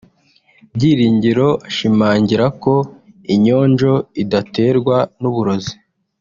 Byiringiro ashimangira ko inyonjo idaterwa n’uburozi